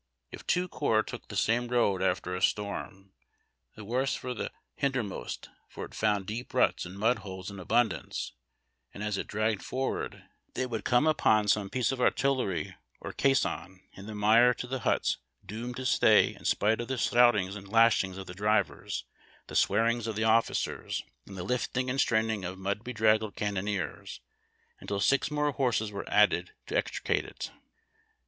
If two corps took the same road after a storm, the worse for the hindermost, for it found deep ruts and mud holes in abundance ; and as it dragged forward it would come upon some piece of artillery or caisson in the mire to the hubs, doomed to stay, in spite of the shoutings and lashings of the drivers, the swearing of the officers, and BREAKING CAMP. —ON THE MARCH. 347 the lifting and straining of mnd bedraggled cannoneers, until six more horses were added to extricate it.